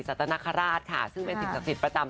ซึ่งเป็นศิลประตำจังหวัดคอยพนตอบปิฯฮนตามภาพเห็นด้วย